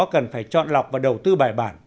cần phải chọn lọc và đầu tư bài bản